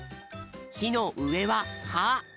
「ひ」のうえは「は」。